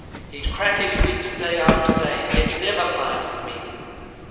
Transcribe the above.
He'd crack his wits Day after day, yet never find the meaning.